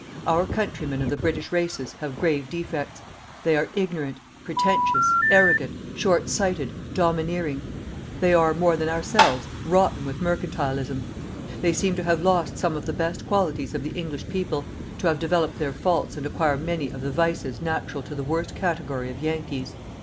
Our countrymen of the British races have grave defects: they are_ IGNORANT, PRETENTIOUS, ARROGANT, SHORT SIGHTED, DOMINEERING. They are, more than ourselves, ROTTEN WITH MERCANTILISM. _They seem to have lost some of the best qualities of the English people, to have developed their faults and acquire many of the_ VICES NATURAL TO THE WORST CATEGORY OF YANKEES.